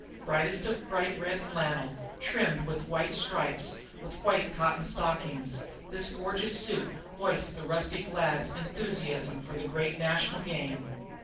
Brightest of bright red flannel, trimmed with white stripes, with white cotton stockings, this gorgeous suit voiced the rustic lads' enthusiasm for the great national game.